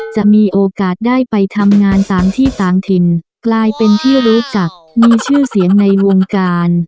จะมีโอกาสได้ไปทำงานตามที่ต่างถิ่นกลายเป็นที่รู้จักมีชื่อเสียงในวงการ